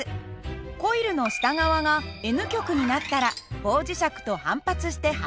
コイルの下側がＮ極になったら棒磁石と反発して離れる。